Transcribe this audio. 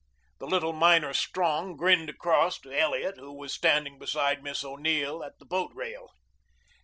The little miner Strong grinned across to Elliot, who was standing beside Miss O'Neill at the boat rail.